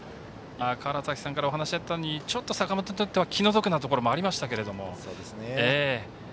川原崎さんからお話があったようにちょっと坂本にとっては気の毒なところもありましたが。